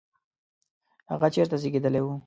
هغه چیرته زیږېدلی و؟